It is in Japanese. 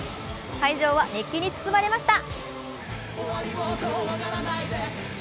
会場は熱気に包まれました。